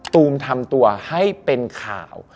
ตูมทำตัวให้เป็นข่าว